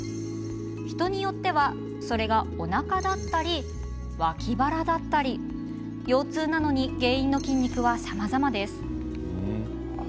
人によってはそれがおなかだったり脇腹だったり、腰痛なのに原因の筋肉はさまざまなんです。